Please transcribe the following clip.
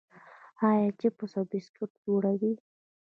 آیا چپس او بسکټ جوړوو؟